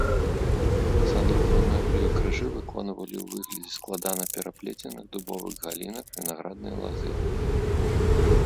Садовую мэблю і крыжы выконвалі ў выглядзе складана пераплеценых дубовых галінак, вінаграднай лазы.